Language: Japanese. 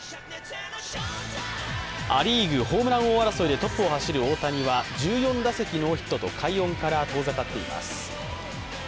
ア・リーグホームラン王争いでトップを走る大谷は１４打席ノーヒットと快音から遠ざかっています。